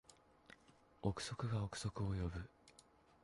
憶測が憶測を呼ぶ